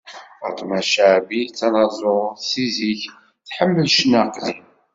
Faṭma Caɛbi, d tanaẓurt, si zik-is tḥemmel ccna aqdim.